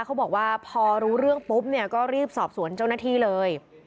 เขาบอกว่าพอรู้เรื่องปุ๊บเนี่ยก็รีบสอบสวนเจ้าหน้าที่เลย